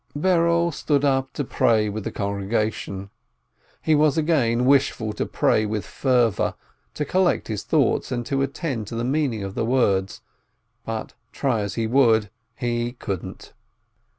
Berel stood up to pray with the congregation. He was again wishful to pray with fervor, to collect his thoughts, and attend to the meaning of the words, but try as he would, he couldn't